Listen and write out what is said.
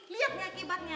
lihat nih akibatnya